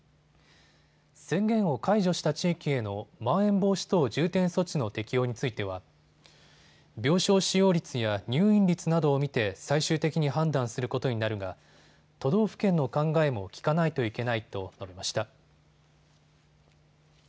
宣言を解除した地域へのまん延防止等重点措置の適用については病床使用率や入院率などを見て最終的に判断することになるが都道府県の考えも聞かないといけないと述べました。